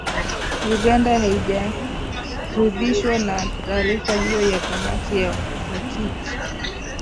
Uganda haijaridhishwa na taarifa hiyo ya kamati ya uhakiki